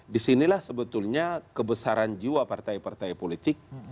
disinilah sebetulnya kebesaran jiwa partai partai politik